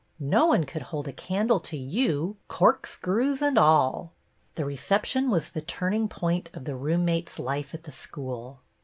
No one could hold a candle to you, cork screws and all." The reception was the turning point of the roommates' life at the school.